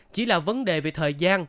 chỉ là vấn đề về thời gian